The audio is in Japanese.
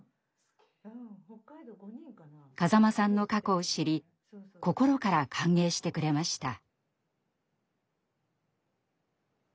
風間さんの過去を知り心から歓迎してくれました。